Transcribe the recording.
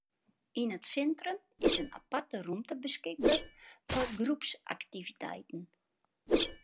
Yn it sintrum is in aparte rûmte beskikber foar groepsaktiviteiten.